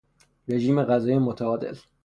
رژیم غذایی متعادل